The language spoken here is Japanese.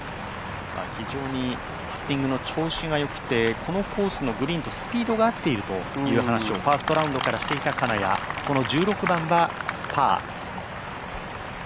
非常にパッティングの調子がよくて、このコースのグリーンとスピードが合っているという話をファーストラウンドからしていた金谷、この１６番はパー。